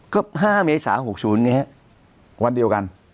ก็๕เมษา๖๐นี่